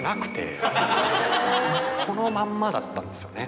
このまんまだったんですよね。